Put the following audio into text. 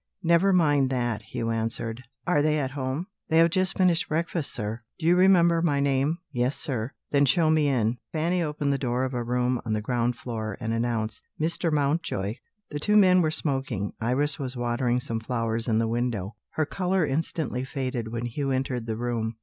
"Never mind that," Hugh answered. "Are they at home?" "They have just finished breakfast, sir." "Do you remember my name?" "Yes, sir." "Then show me in." Fanny opened the door of a room on the ground floor, and announced: "Mr. Mountjoy." The two men were smoking; Iris was watering some flowers in the window. Her colour instantly faded when Hugh entered the room.